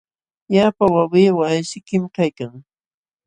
Ñuqapa wawqii waqaysikim kaykan.